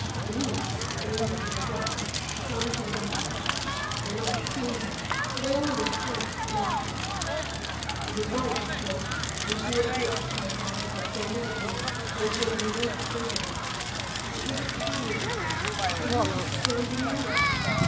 Denise, wounded to the heart, clung to the banister. They must have seen her, for they all disappeared, laughing. He was right, she thought, and she accused herself of her former ignorance, when she used to think about him. But what a coward he was, and how she scorned him now!